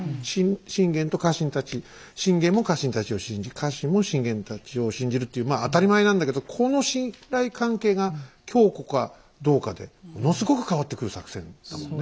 信玄と家臣たち信玄も家臣たちを信じ家臣も信玄を信じるっていうまあ当たり前なんだけどもこの信頼関係が強固かどうかでものすごく変わってくる作戦だもんね。